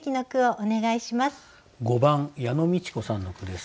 ５番矢野美智子さんの句です。